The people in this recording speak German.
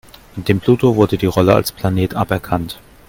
Dem Pluto wurde die Rolle als Planet aberkannt.